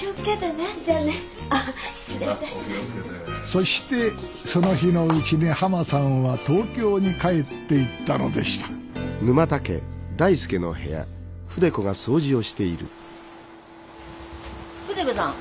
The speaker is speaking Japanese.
そしてその日のうちにはまさんは東京に帰っていったのでした筆子さん。